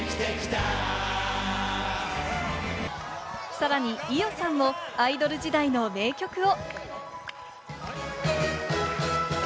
さらに伊代さんもアイドル時代の名曲を。